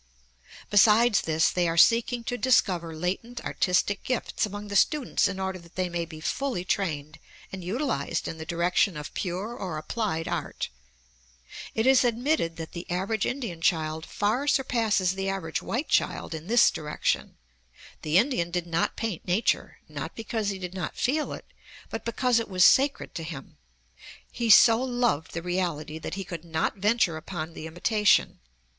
Besides this, they are seeking to discover latent artistic gifts among the students in order that they may be fully trained and utilized in the direction of pure or applied art. It is admitted that the average Indian child far surpasses the average white child in this direction. The Indian did not paint nature, not because he did not feel it, but because it was sacred to him. He so loved the reality that he could not venture upon the imitation.